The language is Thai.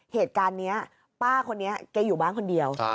เหตุการณ์นี้ป้าคนนี้แกอยู่บ้านคนเดียว